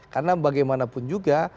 karena bagaimanapun juga